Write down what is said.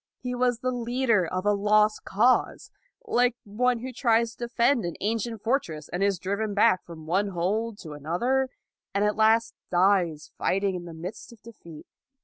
He was the leader of a lost cause, like one who tries to defend an ancient fortress, and is driven back from one hold to another, and at last dies fight ing in the midst of defeat.